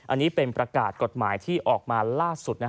อันนี้เป็นประกาศกฎหมายที่ออกมาล่าสุด